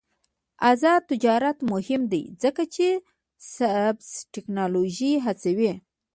آزاد تجارت مهم دی ځکه چې سبز تکنالوژي هڅوي.